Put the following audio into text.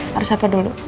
harus apa dulu